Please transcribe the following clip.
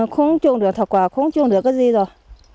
không trùng được thảo quả không trùng được cái gì rồi